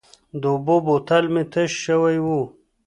د اوبو بوتل مې تش شوی و.